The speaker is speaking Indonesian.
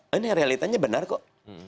ini realitanya benar kok